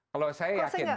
kalau saya yakin